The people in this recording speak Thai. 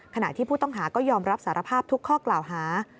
ขณะที่ผู้ต้องหาก็ยอมรับสารภาพทุกข้อกล่าวหา